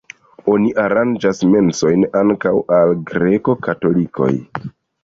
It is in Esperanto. Oni aranĝas mesojn ankaŭ al greko-katolikoj.